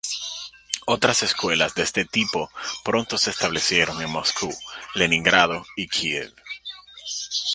Otras escuelas de este tipo pronto se establecieron en Moscú, Leningrado y Kiev.